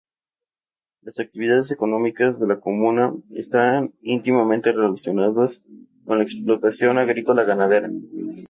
Las actividades económicas de la comuna esta íntimamente relacionadas con la explotación agrícola ganadera.